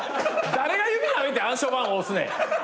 誰が指なめて暗証番号押すねん。